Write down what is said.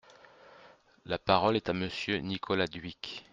La parole est à Monsieur Nicolas Dhuicq.